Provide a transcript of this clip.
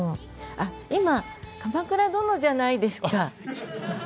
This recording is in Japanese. あっ今鎌倉殿じゃないですか。